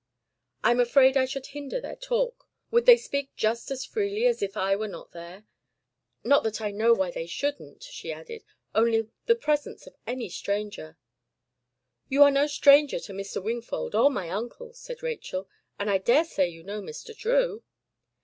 "I am afraid I should hinder their talk. Would they speak just as freely as if I were not there? Not that I know why they shouldn't," she added; "only the presence of any stranger " "You are no stranger to Mr. Wingfold or my uncle," said Rachel, "and I daresay you know Mr. Drew?"